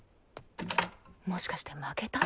もしかして負けた？